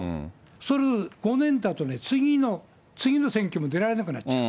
その５年だと、次の選挙も出られなくなっちゃう。